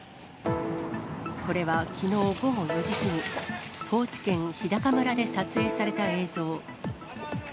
これはきのう午後４時過ぎ、高知県日高村で撮影された映像。